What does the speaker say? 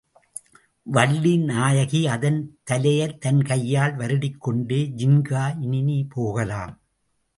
வள்ளிநாயகி அதன் தலையைத் தன் கையால் வருடிக்கொண்டே, ஜின்கா, இனி நீ போகலாம்.